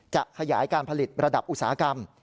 จะขยายการผลิตระดับอุตสาหกรรม